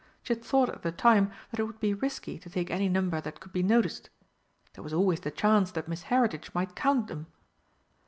she had thought at the time that it would be risky to take any number that could be noticed. There was always the chance that Miss Heritage might count them!